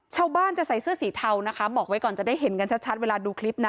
ชาวบ้านจะใส่เสื้อสีเทานะคะบอกไว้ก่อนจะได้เห็นกันชัดเวลาดูคลิปนะ